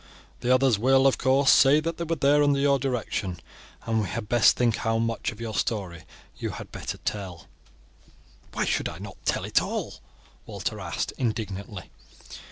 The others will, of course, say that they were there under your direction; and we had best think how much of your story you had better tell." "Why should I not tell it all?" Walter asked indignantly.